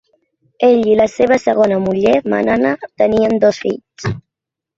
Ell i la seva segona muller, Manana, tenien dos fills.